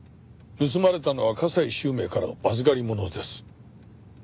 盗まれたのは加西周明からの預かり物です。